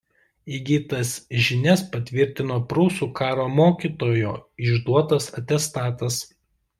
Įgytas žinias patvirtino prūsų karo mokytojo išduotas atestatas.